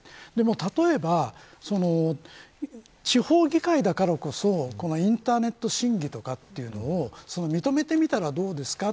例えば地方議会だからこそインターネット審議とかいうのを認めてみたらどうですか。